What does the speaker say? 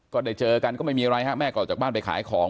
ก็ได้เจอกันก็ไม่มีอะไรฮะแม่ก็ออกจากบ้านไปขายของ